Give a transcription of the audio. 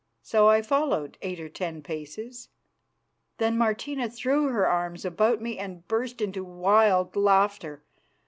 So I followed eight or ten paces. Then Martina threw her arms about me and burst into wild laughter.